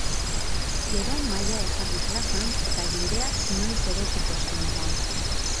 Gero mahaia ezarri plazan eta jendeak noiz erosiko zain egon.